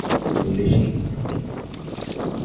كل شيء فُقِد.